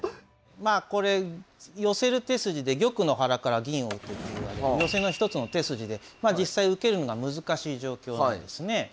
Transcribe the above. まあこれ寄せる手筋で「玉の腹から銀を打て」といわれる寄せの一つの手筋でまあ実際受けるのが難しい状況なんですね。